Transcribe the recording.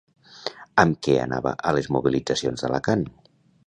Amb què anava a les mobilitzacions d'Alacant?